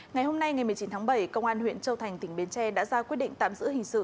ngày hôm nay ngày một mươi chín tháng bảy công an huyện châu thành tỉnh bến tre đã ra quyết định tạm giữ hình sự